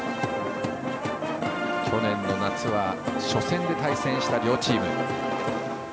去年の夏は初戦で対戦した両チーム。